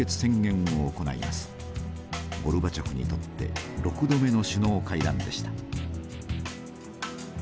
ゴルバチョフにとって６度目の首脳会談でした。